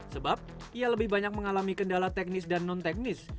sebab ia lebih banyak mengalami kendala teknis dan non teknis